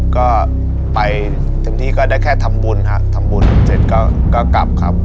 ก็ไปถึงที่ก็ได้แค่ทำบุญครับทำบุญเสร็จก็กลับครับ